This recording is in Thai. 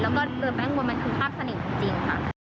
แล้วก็เดินไปข้างบนมันคือภาพเสน่ห์จริงค่ะ